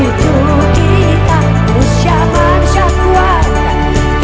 itu kita manusia kuat